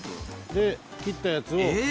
で、切ったやつを。